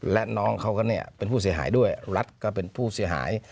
และน้องเขาก็เนี่ยเป็นผู้เสียหายด้วยรัฐก็เป็นผู้เสียหาย